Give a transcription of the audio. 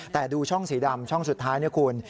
แต่ดูช่องสีดำช่องสุดท้าย